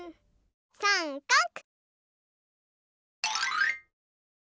さんかく！